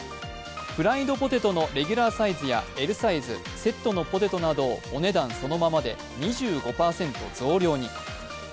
フライドポテトのレギュラーサイズやＬサイズセットのポテトなどをお値段そのままで２５％増量に。